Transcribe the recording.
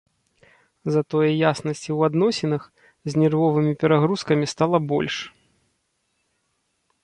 Затое яснасці ў адносінах з нервовымі перагрузкамі стала больш.